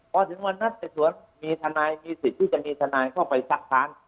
พอถึงวันนัดสืบสวนมีทนายมีสิทธิ์ที่จะมีทนายเข้าไปซักค้าน